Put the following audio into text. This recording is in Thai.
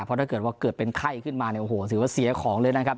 เพราะถ้าเกิดว่าเกิดเป็นไข้ขึ้นมาเนี่ยโอ้โหถือว่าเสียของเลยนะครับ